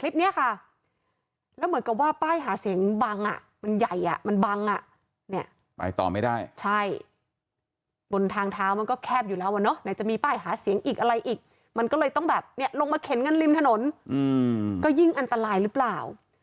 คลิปนี้ค่ะแล้วเหมือนกับว่าป้ายหาเสียงบังอ่ะมันใหญ่อ่ะมันบังอ่ะเนี่ยไปต่อไม่ได้ใช่บนทางเท้ามันก็แคบอยู่แล้วอ่ะเนอะไหนจะมีป้ายหาเสียงอีกอะไรอีกมันก็เลยต้องแบบเนี่ยลงมาเข็นกันริมถนนก็ยิ่งอันตรายหรือเปล่า